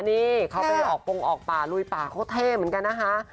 นี่เขาไปออกปงออกป่าลุยป่าเขาเท่เหมือนกันนะคะ